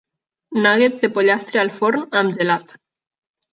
Nuggets de pollastre al forn, amb gelat.